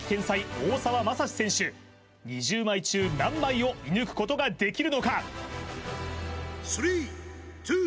大澤雅士選手２０枚中何枚を射ぬくことができるのか？